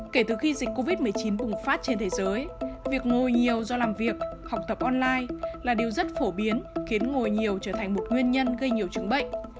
kể từ khi dịch covid một mươi chín bùng phát trên thế giới việc ngồi nhiều do làm việc học tập online là điều rất phổ biến khiến ngồi nhiều trở thành một nguyên nhân gây nhiều chứng bệnh